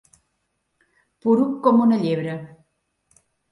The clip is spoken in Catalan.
Poruc com una llebre.